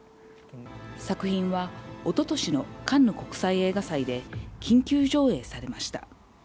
作品はおととしのカンヌ国際映画祭で緊急上映されました。